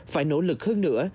phải nỗ lực hơn nữa